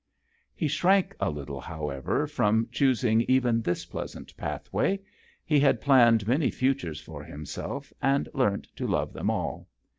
He shrank a little, however, from choosing even this pleasant pathway. He had planned many futures for himself and learnt to love them all.